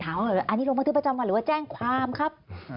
อันนี้ลงบันทึกประจำวันหรือว่าแจ้งความครับ